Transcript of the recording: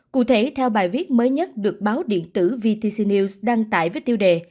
cụ thể theo bài viết mới nhất được báo điện tử vtc news đăng tải với tiêu đề